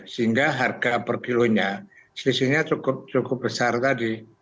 sehingga harga per kilonya selisihnya cukup besar tadi